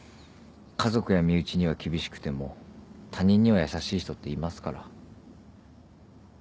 家族や身内には厳しくても他人には優しい人っていますから。